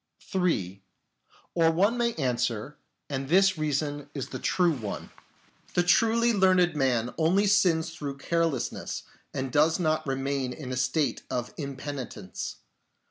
(3) Or one may answer, and this reason is the true one :" The truly learned man only sins through carelessness, and does not remain in a state of impenitence.